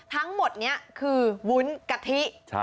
ทั้งหมดนี้คือวุ้นกะทิ